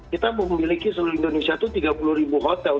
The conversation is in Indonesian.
kita memiliki seluruh indonesia itu tiga puluh ribu hotel